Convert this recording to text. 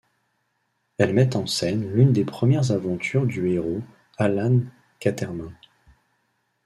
Elle met en scène l'une des premières aventures du héros Allan Quatermain.